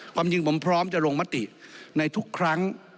ความจริงผมพร้อมจะลงมติในทุกครั้ง